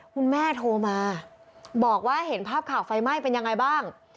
คุณแม่โทรมาบอกว่าเห็นภาพข่าวไฟไหม้เป็นยังไงบ้าง